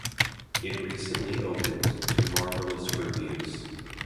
It recently opened to marvelous reviews.